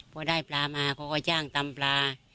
พอได้ปลามาเขาก็จ้างตำปลา